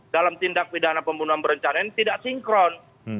dalam tindak pidana pembunuhan berencana ini tidak sinkron